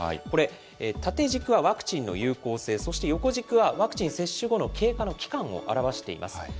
これ、縦軸はワクチンの有効性、そして横軸はワクチン接種後の経過の期間を表しています。